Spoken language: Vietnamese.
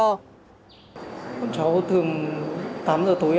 lý do đánh nhau là gì